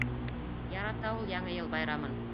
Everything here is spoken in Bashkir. Ярата ул Яңы йыл байрамын.